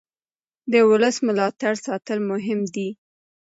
د ولس ملاتړ ساتل مهم دي